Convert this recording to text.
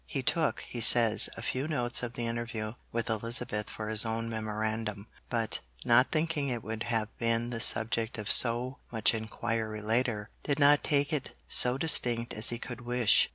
He took, he says, a few notes of the interview with Elizabeth for his own memorandum, but 'not thinking it would have been the subject of so much inquiry later, did not take it so distinct as he could wish.'